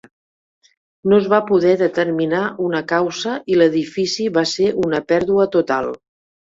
No es va poder determinar una causa i l"edifici va ser una pèrdua total.